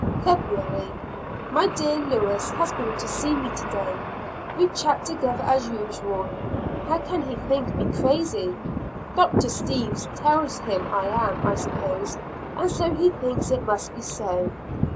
February. My dear Lewis has been to see me today. We chat together as usual; how can he think me crazy? Dr. Steeves tells him I am, I suppose, and so he thinks it must be so.